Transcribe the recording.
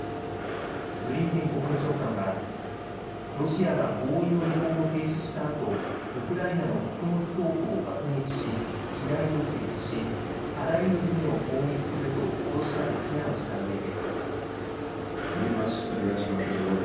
ブリンケン国務長官はロシアは合意の履行を停止したあとウクライナの穀物倉庫を爆撃し、機雷を設置し、あらゆる船を攻撃すると脅したと非難したうえで。